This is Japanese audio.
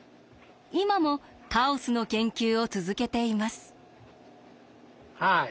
今もカオスの研究を続けています。